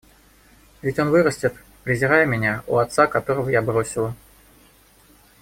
Ведь он вырастет, презирая меня, у отца, которого я бросила.